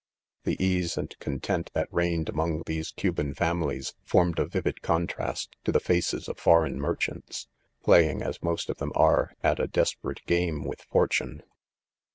.^ The ease end content that reigned among ^foese* Cuban families, formed a vivid contrast ' to the faces of foreign merchants ; playing, as most of them are, at a desperate game with Fortune.